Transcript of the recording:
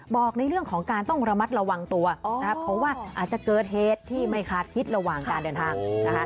บอกในเรื่องของการต้องระมัดระวังตัวนะครับเพราะว่าอาจจะเกิดเหตุที่ไม่คาดคิดระหว่างการเดินทางนะคะ